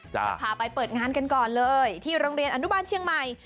จะพาไปเปิดงานกันก่อนเลยที่โรงเรียนอนุบาลเชียงใหม่